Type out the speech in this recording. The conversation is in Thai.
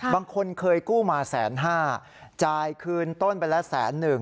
บางคนเคยกู้มา๑๕๐๐๐๐บาทจ่ายคืนต้นไปละ๑๐๑๐๐๐บาท